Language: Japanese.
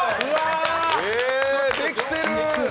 できてる！